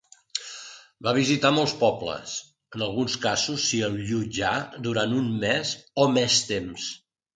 Va visitar molts pobles, en alguns casos s'hi allotjà durant un mes o més temps.